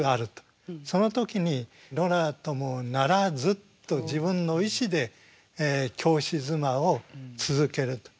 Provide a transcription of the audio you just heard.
その時に「ノラともならず」と自分の意志で教師妻を続けると。